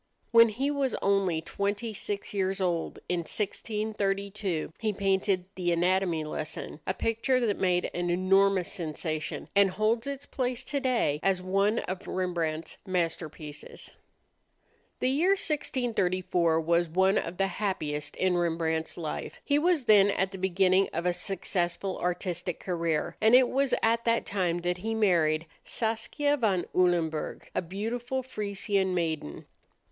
When he was only twenty six years old, in 1632, he painted the "Anatomy Lesson," a picture that made an enormous sensation, and holds its place today as one of Rembrandt's masterpieces. The year 1634 was one of the happiest in Rembrandt's life. He was then at the beginning of a successful artistic career, and it was at that time that he married Saskia van Ulenburg, a beautiful Frisian maiden.